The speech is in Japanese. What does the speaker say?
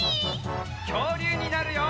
きょうりゅうになるよ！